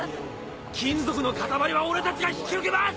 金属の塊は俺たちが引き受けます！